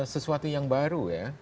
sesuatu yang baru ya